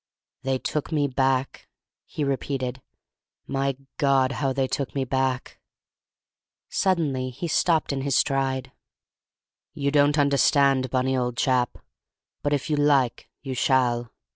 "They took me back," he repeated. "My God, how they took me back!" Suddenly he stopped in his stride. "You don't understand, Bunny, old chap; but if you like you shall.